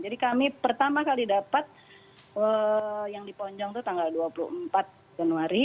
jadi kami pertama kali dapat yang diponjong itu tanggal dua puluh empat januari